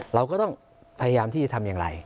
เราก็ต้องพยายามที่จะทำอย่างไร